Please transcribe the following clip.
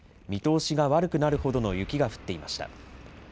見通しが悪くなるほどの雪が降っていました。